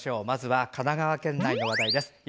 まずは神奈川県内の話題です。